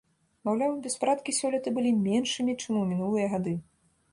Маўляў, беспарадкі сёлета былі меншымі, чым у мінулыя гады.